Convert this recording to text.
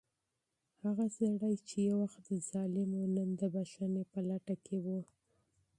هغه سړی چې یو وخت ظالم و، نن د بښنې په لټه کې و.